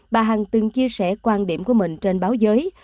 bà hằng từng chia sẻ quan điểm của mình trên báo giới